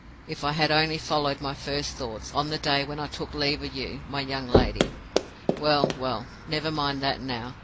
If I had only followed my first thoughts, on the day when I took leave of you, my young lady well, well, never mind that now.